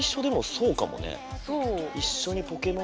そう。